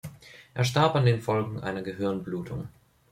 Er starb an den Folgen einer Gehirnblutung.